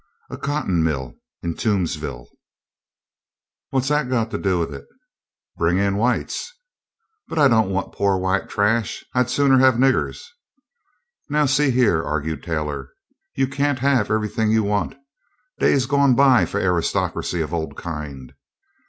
"A cotton mill in Toomsville." "What's that got to do with it?" "Bring in whites." "But I don't want poor white trash; I'd sooner have niggers." "Now, see here," argued Taylor, "you can't have everything you want day's gone by for aristocracy of old kind.